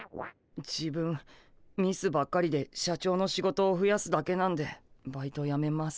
自分ミスばっかりで社長の仕事をふやすだけなんでバイトやめます。